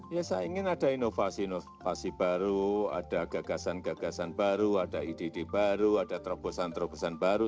ya saya ingin ada inovasi inovasi baru ada gagasan gagasan baru ada ide ide baru ada terobosan terobosan baru